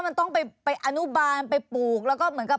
มันต้องไปอนุบาลไปปลูก